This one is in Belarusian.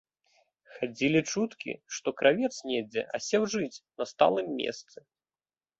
Хадзілі чуткі, што кравец недзе асеў жыць на сталым месцы.